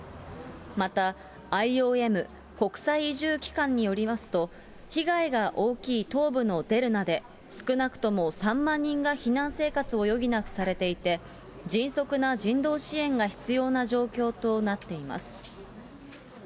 またＩＯＭ・国際移住機関によりますと、被害が大きい東部のデルナで、少なくとも３万人が避難生活を余儀なくされていて、迅速な人道支援が必要な状況となっています。